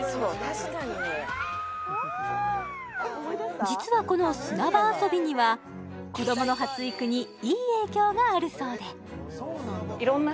確かに実はこの砂場遊びには子供の発育にいい影響があるそうでそう確かにここで